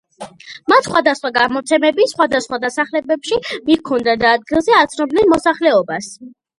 მათ სხვადასხვა გამოცემები სხვადასხვა დასახლებებში მიჰქონდათ და ადგილზე აცნობდნენ მოსახლეობას.